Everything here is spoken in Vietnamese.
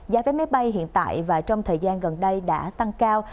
giá vé máy bay hiện tại và trong thời gian gần đây đã tăng cao